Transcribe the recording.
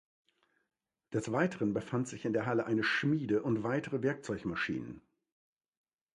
Des Weiteren befand sich in der Halle eine Schmiede und weitere Werkzeugmaschinen.